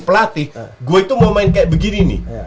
pelatih gue itu mau main kayak begini nih